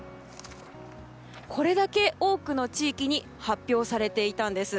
これだけ多くの地域に発表されていたんです。